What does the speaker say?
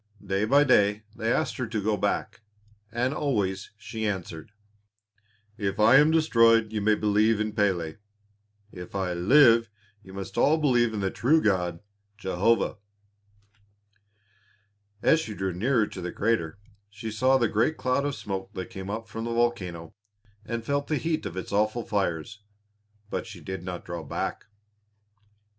Day by day they asked her to go back, and always she answered, "If I am destroyed you may believe in Pélé; if I live you must all believe in the true God, Jehovah." As she drew nearer to the crater she saw the great cloud of smoke that came up from the volcano and felt the heat of its awful fires. But she did not draw back.